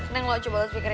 neng lo coba speaker ya